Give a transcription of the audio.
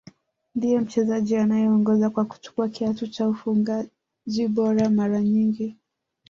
Ndiye mchezaji anayeongoza kwa kuchukua kiatu cha ufungaji bora mara nyingi